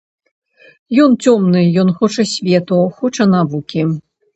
Ён цёмны, ён хоча свету, хоча навукі.